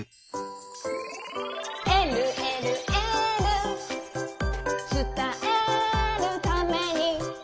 「えるえるエール」「つたえるために」